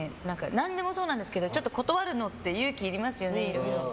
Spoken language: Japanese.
何でもそうなんですけど断るのって勇気いりますよねいろいろ。